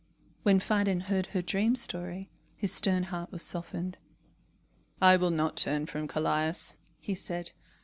When Phidon had heard her dream story, his stern heart was softened. "I will not turn from Callias," he said.